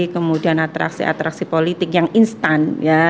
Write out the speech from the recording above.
kemudian atraksi atraksi politik yang instan